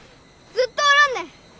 ずっとおらんね！